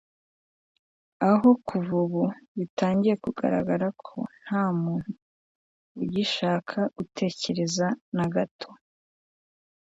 aho kuva ubu bitangiye kugaragara ko nta muntu ugishaka gutekereza na gato